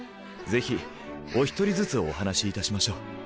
ぜひお１人ずつお話しいたしましょう。